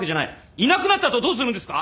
いなくなった後どうするんですか？